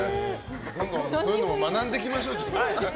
そういうのも学んでいきましょう。